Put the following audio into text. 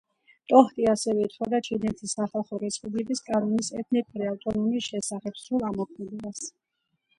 ტოჰტი ასევე ითხოვდა ჩინეთის სახალხო რესპუბლიკის კანონის „ეთნიკური ავტონომიის შესახებ“ სრულ ამოქმედებას.